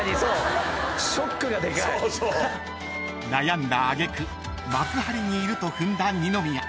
［悩んだ揚げ句幕張にいると踏んだ二宮］